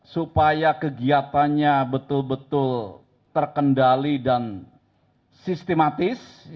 supaya kegiatannya betul betul terkendali dan sistematis